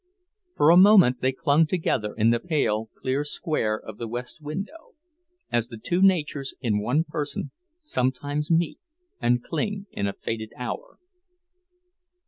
For a moment they clung together in the pale, clear square of the west window, as the two natures in one person sometimes meet and cling in a fated hour.